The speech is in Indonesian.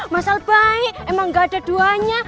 masalah baik emang gak ada duanya